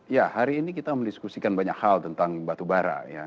ya hari ini kita mendiskusikan banyak hal tentang batubara